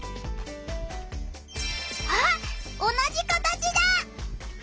あっ同じ形だ！